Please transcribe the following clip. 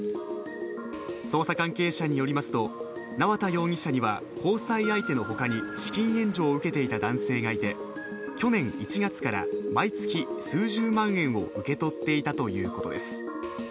捜査関係者によりますと、縄田容疑者には交際相手のほかに資金援助を受けていた男性がいて去年１月から毎月数十万円を受け取っていたということです。